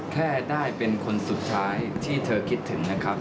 แค่ได้เป็นคนสุดท้ายที่เธอคิดถึงนะครับ